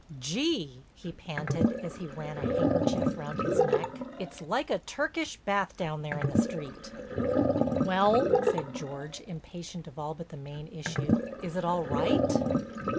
"Gee," he panted as he ran a handkerchief round his neck, "it's like a Turkish bath down there in the street." "Well," said George, impatient of all but the main issue, "is it all right?"